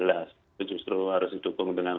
itu justru harus didukung dengan